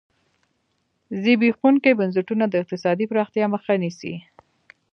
زبېښونکي بنسټونه د اقتصادي پراختیا مخه نیسي.